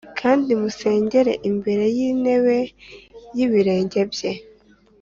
kandi musengere imbere y’intebe y’ibirenge bye.